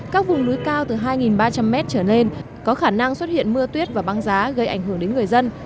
các vùng núi cao từ hai ba trăm linh m trở lên có khả năng xuất hiện mưa tuyết và băng giá gây ảnh hưởng đến người dân